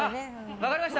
分かりました！